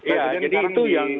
ya jadi itu yang